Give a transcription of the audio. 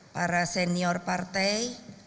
para senior partai